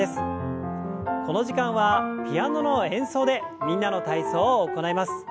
この時間はピアノの演奏で「みんなの体操」を行います。